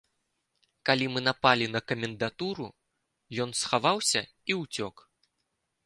Калі мы напалі на камендатуру, ён схаваўся і ўцёк.